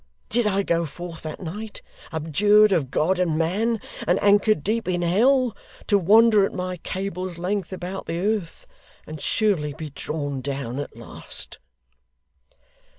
Did I go forth that night, abjured of God and man, and anchored deep in hell, to wander at my cable's length about the earth, and surely be drawn down at last?